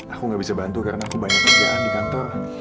aku gak bisa bantu karena aku banyak kerjaan di kantor